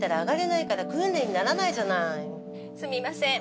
すみません。